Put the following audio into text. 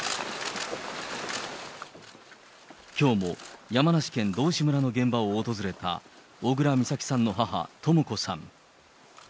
きょうも山梨県道志村の現場を訪れた小倉美咲さんの母、とも子さん。